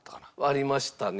ありましたね。